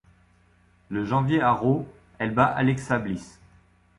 Le janvier à Raw, elle bat Alexa Bliss.